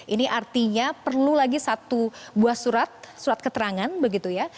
ini artinya perlu lagi satu buah surat surat keterangan begitu ya